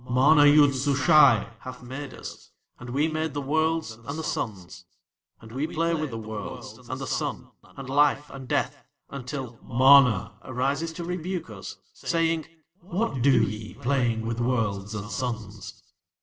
"MANA YOOD SUSHAI hath made us, and We made the Worlds and the Suns. "And We play with the Worlds and the Sun and Life and Death until MANA arises to rebuke us, saying: 'What do ye playing with Worlds and Suns?'